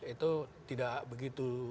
itu tidak begitu